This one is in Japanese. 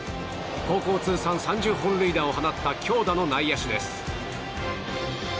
高校通算３０本塁打を放った強打の内野手です。